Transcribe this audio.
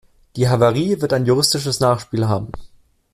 Die Havarie wird ein juristisches Nachspiel haben.